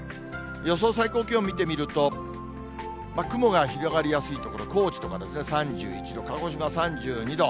予想最高気温見てみると、雲が広がりやすい所、高知とか３１度、鹿児島３２度。